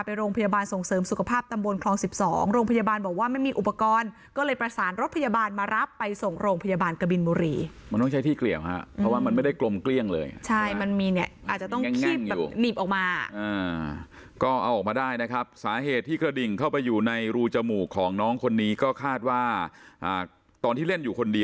โรงพยาบาลส่งเสริมสุขภาพตำบลคลองสิบสองโรงพยาบาลบอกว่าไม่มีอุปกรณ์ก็เลยประสานรถพยาบาลมารับไปส่งโรงพยาบาลกบินบุรีมันต้องใช้ที่เกลี่ยวฮะเพราะว่ามันไม่ได้กลมเกลี้ยงเลยใช่มันมีเนี่ยอาจจะต้องคีบแบบหนีบออกมาก็เอาออกมาได้นะครับสาเหตุที่กระดิ่งเข้าไปอยู่ในรูจมูกของน้องคนนี้ก็คาดว่าตอนที่เล่นอยู่คนดี